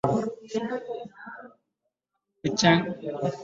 Kuchanganya wanyama katika maeneo ya kunywea maji husababisha homa ya mapafu